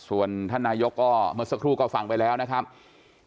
ส่วนท่านนายกก็เมื่อสักครู่ก็ฟังไปแล้วนะครับ